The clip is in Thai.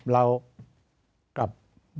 เรากลับย้อนไป